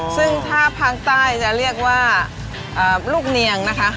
ซึ่งถ้าภาคใต้จะเรียกว่าลูกเนียงนะคะ